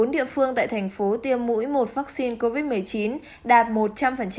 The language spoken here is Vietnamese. một mươi bốn địa phương tại tp tiêm mũi một vaccine covid một mươi chín đạt một trăm linh